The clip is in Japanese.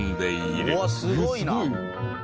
うわっすごいな！